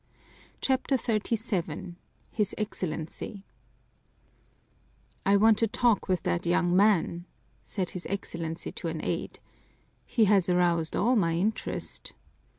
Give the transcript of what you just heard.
CHAPTER XXXVII His Excellency "I Want to talk with that young man," said his Excellency to an aide. "He has aroused all my interest."